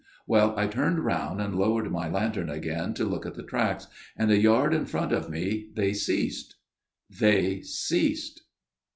" Well, I turned round, and lowered my lantern again to look at the tracks, and a yard in front of me they ceased. They ceased."